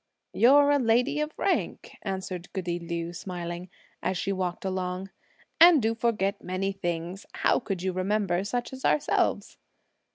"You're a lady of rank," answered goody Liu smiling, as she walked along, "and do forget many things. How could you remember such as ourselves?"